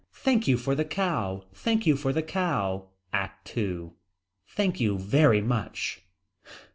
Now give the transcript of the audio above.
Thank you for the cow. Thank you for the cow. ACT II. Thank you very much.